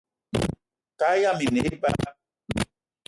Kaal yama i ne eba